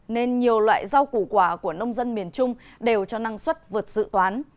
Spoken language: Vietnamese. nên nhiều loại rau củ quả của nông dân miền trung đều cho năng suất vượt dự toán